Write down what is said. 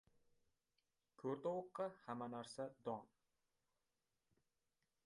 • Ko‘r tovuqqa hamma narsa ― don.